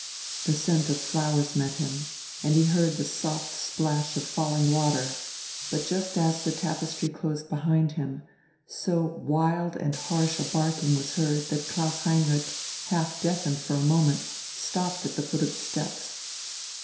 The scent of flowers met him, and he heard the soft splash of falling water; but just as the tapestry closed behind him, so wild and harsh a barking was heard that Klaus Heinrich, half deafened for a moment, stopped at the foot of the steps.